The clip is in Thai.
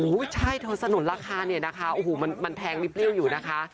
ใช่เธอสนุนราคาเนี่ยนะคะโอ้โหมันแพงมีเปรี้ยวอยู่นะคะ